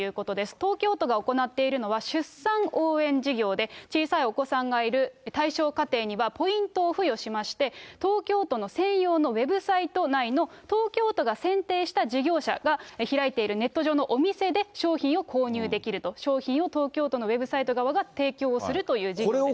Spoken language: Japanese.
東京都が行っているのは、出産応援事業で、小さいお子さんがいる対象家庭にはポイントを付与しまして、東京都の専用のウェブサイト内の東京都が選定した事業者が開いているネット上のお店で商品を購入できると、商品を東京都のウェブサイト側が提供をするという事業です。